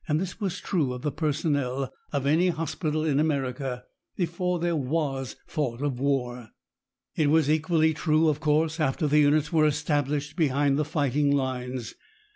This was true of the personnel of any hospital in America, before there was thought of war. It was equally true, of course, after the units were established behind the fighting lines.